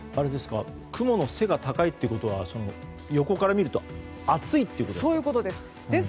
雲の背が高いということは横から見るとそういうことです。